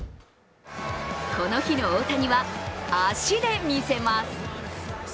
この日の大谷は足でみせます。